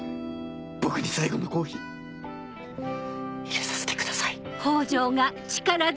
僕に最後のコーヒー入れさせてください